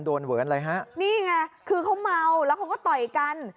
เหมือนอะไรฮะนี่ไงคือเขาเมาแล้วเขาก็ต่อยกัน